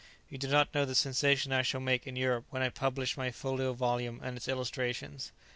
You do not know the sensation I shall make in Europe when I publish my folio volume and its illustrations."